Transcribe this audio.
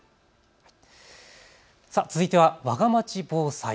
続いてはわがまち防災。